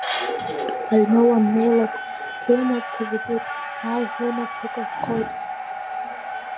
Аҩны уаннеилакь ҳәынаԥы заҵәык, ааи ҳәынаԥык азхоит.